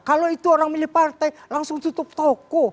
kalau itu orang milih partai langsung tutup toko